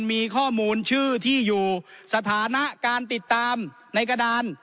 มีข้อมูลชื่อที่อยู่สถานะการติดตามในกระดาน